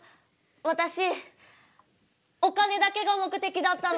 私お金だけが目的だったの。